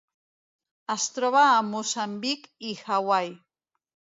Es troba a Moçambic i Hawaii.